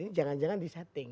ini jangan jangan di setting